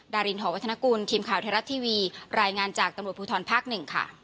ดารินหอวัฒนกุลทีมข่าวไทยรัฐทีวีรายงานจากตำรวจภูทรภาคหนึ่งค่ะ